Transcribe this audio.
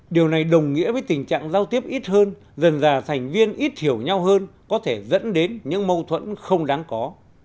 điều này đồng nghĩa với tình trạng giao tiếp ít hơn dần già thành viên ít hiểu nhau hơn có thể dẫn đến những mâu thuẫn không đáng có